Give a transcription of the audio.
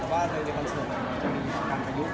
แต่ว่าในคอนเซิร์ทมันจะมีการประยุกต์